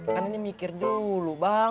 kan ini mikir dulu bang